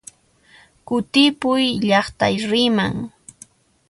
Kutipuy llaqtaykiman!